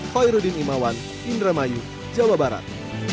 hoi rudin imawan indramayu jawa barat